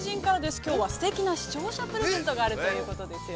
きょうはすてきな視聴者プレゼントがあるということですよ。